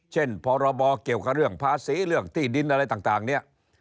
พรบเกี่ยวกับเรื่องภาษีเรื่องที่ดินอะไรต่างเนี่ย